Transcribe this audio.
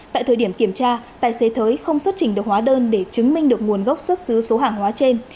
tại thời điểm kiểm tra tài xế thới không xuất trình được hóa đơn để chứng minh được nguồn gốc xuất xứ số hàng hóa trên